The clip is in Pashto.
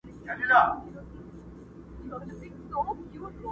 سُر به په خپل تار کي زیندۍ وي شرنګ به نه مستوي،